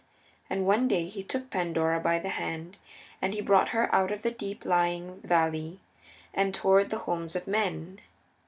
And one day he took Pandora by the hand, and he brought her out of that deep lying valley, and toward the homes of men.